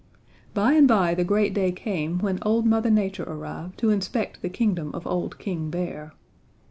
"By and by the great day came when old Mother Nature arrived to inspect the kingdom of old King Bear.